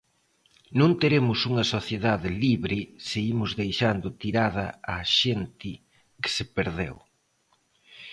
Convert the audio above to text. Non teremos unha sociedade libre se imos deixando tirada á xente que se perdeu.